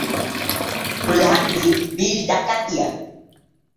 প্রধান বিল: বিল ডাকাতিয়া।